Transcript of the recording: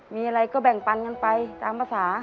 มีอะไรก็แบ่งปันกันไปตามภาษา